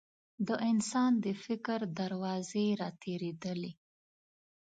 د انسان د فکر دروازې راتېرېدلې.